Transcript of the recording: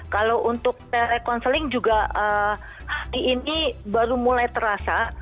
kalau untuk telekonseling juga hari ini baru mulai terasa